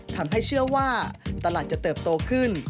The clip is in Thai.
ทำให้เชื่อว่าตลาดจะเติบโตขึ้น